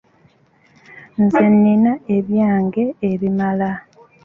Nze nnina ebyange ebimmala.